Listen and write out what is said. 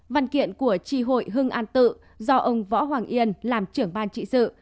văn kiện của tri hội hưng an tự do ông võ hoàng yên làm trưởng ban trị sự